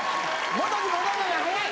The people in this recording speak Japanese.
元に戻るのが早い。